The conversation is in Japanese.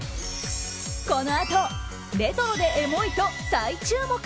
このあとレトロでエモいと再注目